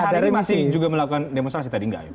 hari ini masih juga melakukan demonstrasi tadi nggak ya